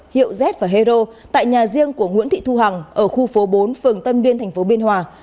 hiệu z và hero tại nhà riêng của nguyễn thị thu hằng ở khu phố bốn phường tân biên tp biên hòa